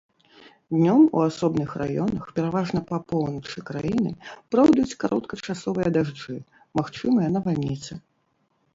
Днём у асобных раёнах, пераважна па поўначы краіны, пройдуць кароткачасовыя дажджы, магчымыя навальніцы.